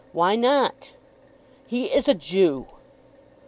"Why not?" "He is a Jew!"